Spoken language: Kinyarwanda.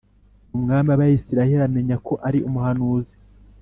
umwami w’Abisirayeli amenya ko ari umuhanuzi